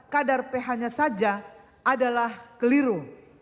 kadar ph nya saja adalah keliru